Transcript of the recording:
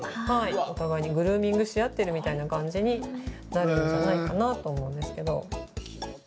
お互いにグルーミングし合ってるみたいな感じになるんじゃないかなと思いますけど。